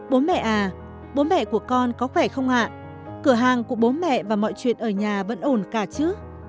bố mẹ à bố mẹ của con có khỏe không ạ cửa hàng của bố mẹ và mọi chuyện ở nhà vẫn ổn cả chữ